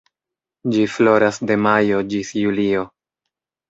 Ĝi floras de majo ĝis julio.